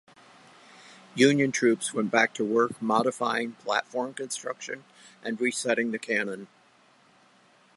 Union troops went back to work modifying platform construction and resetting the cannon.